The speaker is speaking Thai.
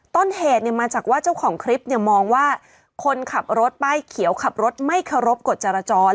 ต้นเหตุมาจากว่าเจ้าของคลิปเนี่ยมองว่าคนขับรถป้ายเขียวขับรถไม่เคารพกฎจรจร